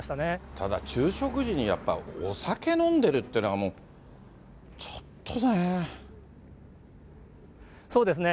ただ、昼食時にやっぱ、お酒飲んでるっていうのが、もう、ちそうですね。